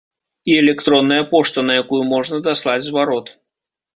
І электронная пошта, на якую можна даслаць зварот.